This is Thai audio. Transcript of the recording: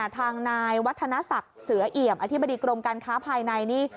ทางนายวัฒนศักดิ์เสือเอี่ยมอธิบดีกรมการค้าภายในนี่